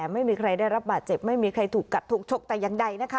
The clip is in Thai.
ไม่มีใครได้รับบาดเจ็บไม่มีใครถูกกัดถูกชกแต่อย่างใดนะคะ